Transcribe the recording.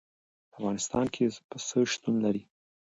په افغانستان کې پسه شتون لري.